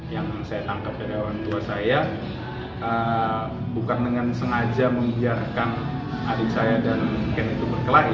yang saya tangkap dari orang tua saya bukan dengan sengaja membiarkan adik saya dan ken itu berkelahi